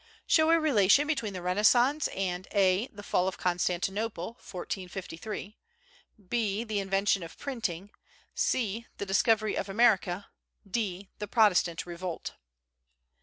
Show a relation between the Renaissance and (a) the fall of Constantinople (1453); (b) the invention of printing; (c) the discovery of America; (d) the Protestant revolt.